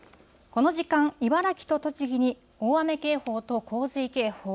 この時間、茨城と栃木に大雨警報と洪水警報。